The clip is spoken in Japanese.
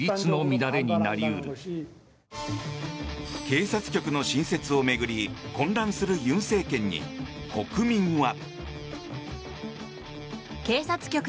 警察局の新設を巡り混乱する尹政権に、国民は。